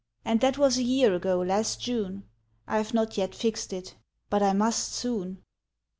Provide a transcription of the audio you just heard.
And that was a year ago last June; I've not yet fixed it. But I must soon."